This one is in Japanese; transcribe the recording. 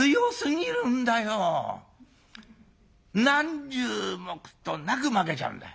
何十目となく負けちゃうんだよ。